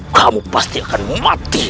kamu pasti akan mati